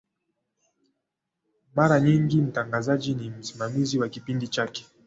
mara nyingi mtangazaji ni msimamizi wa kipindi chake